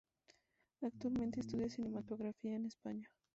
Actualmente estudia cinematografía en España.